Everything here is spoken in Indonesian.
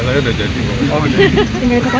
tapi punya rentang itu sama